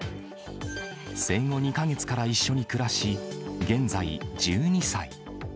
生後２か月から一緒に暮らし、現在１２歳。